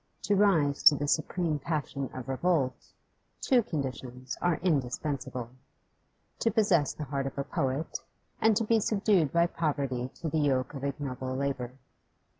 To rise to the supreme passion of revolt, two conditions are indispensable: to possess the heart of a poet, and to be subdued by poverty to the yoke of ignoble labour.